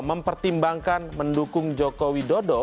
mempertimbangkan mendukung joko widodo